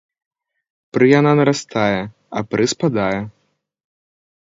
Пры яна нарастае, а пры спадае.